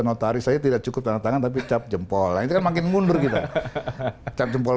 notaris saya tidak cukup tanah tangan tapi cap jempol yang termakin mundur kita cap jempol